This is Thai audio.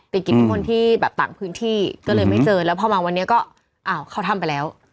กิจนิมนต์ที่แบบต่างพื้นที่ก็เลยไม่เจอแล้วพอมาวันนี้ก็อ้าวเขาทำไปแล้ว